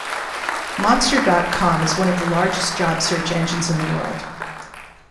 Monster dot com is one of the largest job search engines in the world.